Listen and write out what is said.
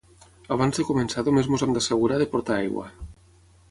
Abans de començar només ens hem d'assegurar de portar aigua